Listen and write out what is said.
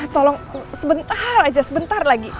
tolong sebentar aja sebentar lagi